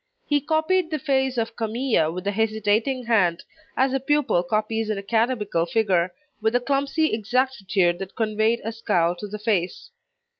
He copied the face of Camille with a hesitating hand, as a pupil copies an academical figure, with a clumsy exactitude that conveyed a scowl to the face.